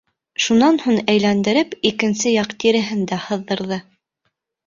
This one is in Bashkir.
Шунан һуң әйләндереп, икенсе яҡ тиреһен дә һыҙырҙы.